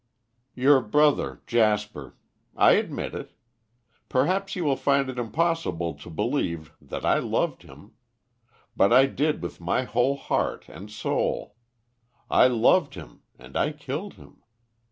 "Your brother, Jasper. I admit it. Perhaps you will find it impossible to believe that I loved him. But I did with my whole heart and soul. I loved him and I killed him.